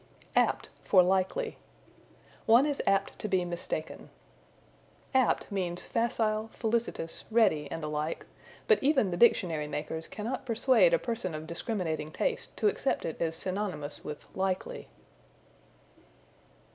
Apt for Likely. "One is apt to be mistaken." Apt means facile, felicitous, ready, and the like; but even the dictionary makers cannot persuade a person of discriminating taste to accept it as synonymous with likely.